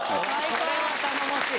それは頼もしい！